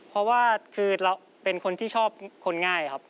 เพราะว่าคือเราเป็นคนที่ชอบคนง่ายครับ